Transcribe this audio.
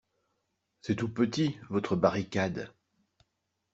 C'est tout petit, votre barricade.